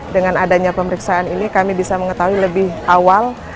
dengan adanya pemeriksaan ini kami bisa mengetahui lebih awal